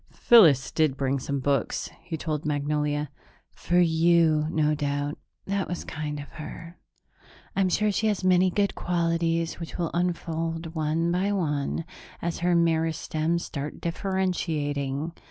"Phyllis did bring some books," he told Magnolia. "For you, no doubt. That was kind of her. I'm sure she has many good qualities which will unfold one by one, as her meristems start differentiating.